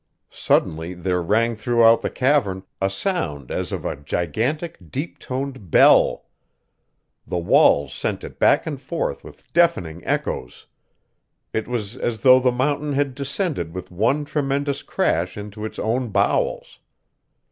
Suddenly there rang throughout the cavern a sound as of a gigantic, deep toned bell. The walls sent it back and forth with deafening echoes; it was as though the mountain had descended with one tremendous crash into its own bowels.